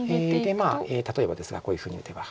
まあ例えばですがこういうふうに打てば。